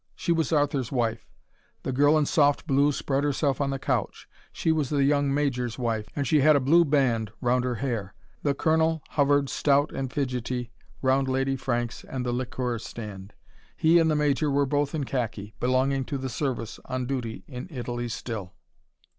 She was Arthur's wife. The girl in soft blue spread herself on the couch: she was the young Major's wife, and she had a blue band round her hair. The Colonel hovered stout and fidgetty round Lady Franks and the liqueur stand. He and the Major were both in khaki belonging to the service on duty in Italy still.